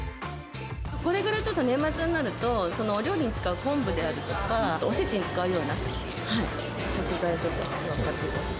これからちょっと年末になると、そのお料理に使う昆布であるとか、あとおせちに使うような食材とか。